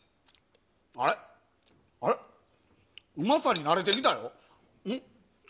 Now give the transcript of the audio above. あっ、うまさに慣れてきた。